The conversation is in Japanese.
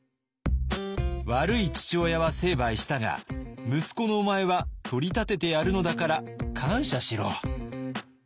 「悪い父親は成敗したが息子のお前は取り立ててやるのだから感謝しろ」。